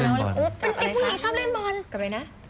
เป็นเด็กผู้หญิงชอบเล่นบอล